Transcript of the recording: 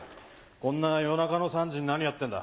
こんな夜中の３時に何やってんだ？